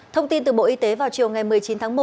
thông tin từ bộ y tế vào chiều ngày một mươi chín tháng một